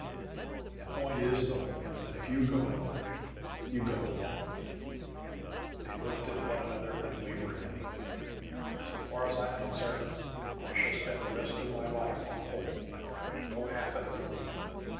"The point is, though, that if you go, you go alone!" They looked at one another unwaveringly. "So far as I'm concerned, I shall spend the rest of my life on Holl! No Hafen for mine!